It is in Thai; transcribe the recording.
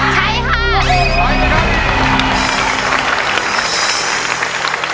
ใช้